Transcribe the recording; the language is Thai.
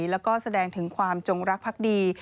และแสดงถึงความจงลักษณ์พรรคดี